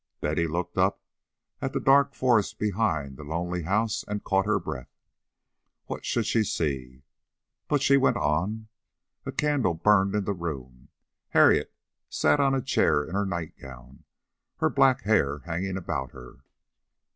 Betty looked up at the dark forest behind the lonely house and caught her breath. What should she see? But she went on. A candle burned in the room. Harriet sat on a chair in her nightgown, her black hair hanging about her.